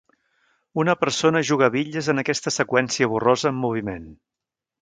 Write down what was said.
Una persona juga a bitlles en aquesta seqüència borrosa en moviment.